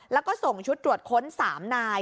แล้วก็ส่งชุดตรวจค้น๓นาย